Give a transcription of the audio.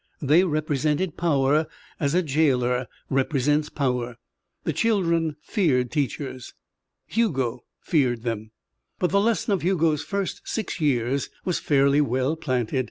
They represented power, as a jailer represents power. The children feared teachers. Hugo feared them. But the lesson of Hugo's first six years was fairly well planted.